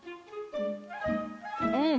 うん。